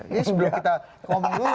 ya sebelum kita ngomong dulu nih